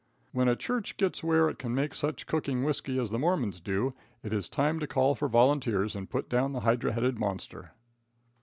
When a church gets where it can make such cooking whisky as the Mormons do, it is time to call for volunteers and put down the hydra headed monster."